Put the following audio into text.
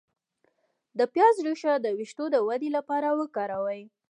د پیاز ریښه د ویښتو د ودې لپاره وکاروئ